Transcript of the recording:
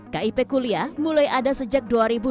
kip kuliah mulai ada sejak dua ribu dua